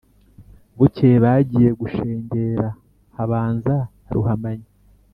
bukeye bagiye gushengera habanza ruhamanya